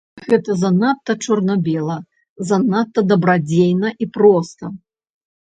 Гэта занадта чорна-бела, занадта дабрадзейна і проста.